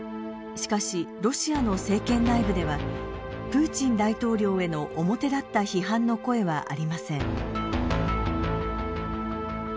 しかしロシアの政権内部ではプーチン大統領への表立った批判の声はありません。